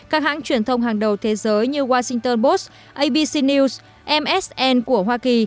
các hãng truyền thông hàng đầu thế giới như washington boss abc news msn của hoa kỳ